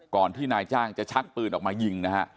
ที่นายจ้างจะชักปืนออกมายิงนะฮะ